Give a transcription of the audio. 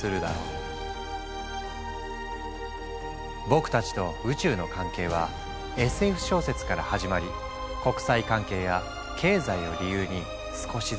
僕たちと宇宙の関係はＳＦ小説から始まり国際関係や経済を理由に少しずつ近づいてきた。